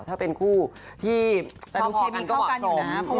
ถ้าเป็นคู่ที่ชอบครั้งก็เหมาะสม